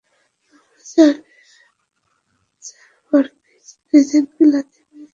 আমরা চারবার মিস ডিভাইনকে লাথি মেরে থিয়েটার থেকে বের করেছি।